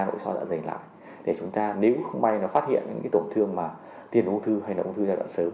nội soi dạ dày lại để chúng ta nếu không may nó phát hiện những tổn thương mà tiền ung thư hay là ung thư giai đoạn sớm